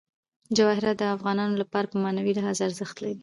جواهرات د افغانانو لپاره په معنوي لحاظ ارزښت لري.